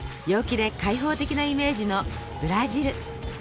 陽気で開放的なイメージのブラジル。